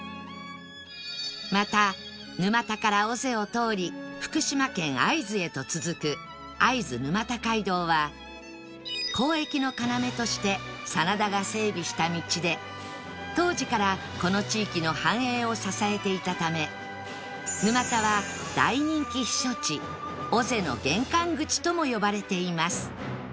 また沼田から尾瀬を通り福島県会津へと続く会津沼田街道は交易の要として真田が整備した道で当時からこの地域の繁栄を支えていたため沼田は大人気避暑地尾瀬の玄関口とも呼ばれています